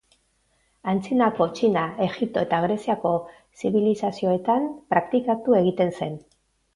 Antzinako Txina, Egipto eta Greziako zibilizazioetan praktikatu egiten zen.